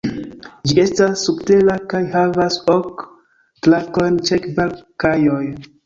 Ĝi estas subtera kaj havas ok trakojn ĉe kvar kajoj.